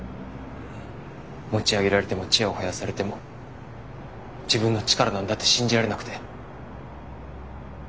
持ち上げられてもチヤホヤされても自分の力なんだって信じられなくて。